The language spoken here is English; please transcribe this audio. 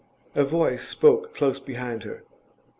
A voice spoke close behind her.